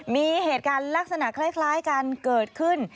มีเหตุการณ์ลักษณะคล้ายกันเกิดขึ้น